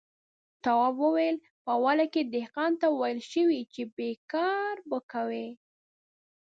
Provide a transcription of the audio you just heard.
تواب وويل: په اوله کې دهقان ته ويل شوي چې بېګار به کوي.